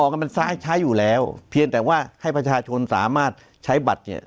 ก็มันใช้อยู่แล้วเพียงแต่ว่าให้ประชาชนสามารถใช้บัตรเนี่ย